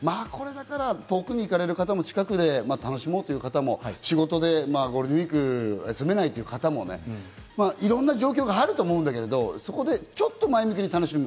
これから遠くに行かれる方も近くで楽しもうという方も仕事でゴールデンウイーク休めないという方もね、いろんな状況があると思うんだけど、そこでちょっと前向きに楽しむ。